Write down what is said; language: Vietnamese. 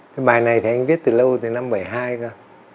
cái bài này thì anh viết từ lâu từ năm một nghìn chín trăm bảy mươi hai cơ